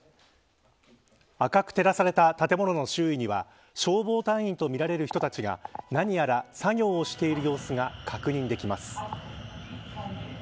赤く照らされた建物の周囲には消防隊員とみられる人たちが何やら作業をしている様子が確認できます。